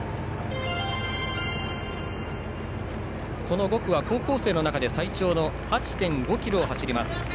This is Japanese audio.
この５区は高校生の中で最長の８．５ｋｍを走ります。